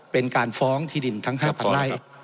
เป็นการฟ้องที่ดินทั้ง๕๐๐ไร่